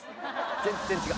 全然違う！